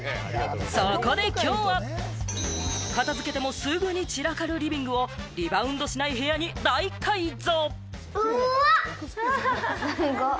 そこで今日は、片付けてもすぐに散らかるリビングをリバウンドしない部屋に大改造。